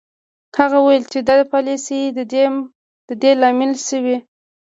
هغه وویل چې دا پالیسۍ د دې لامل شوې